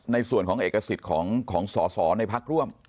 ในส่วนของเอกสิทธิ์ของสอสอในพักร่วม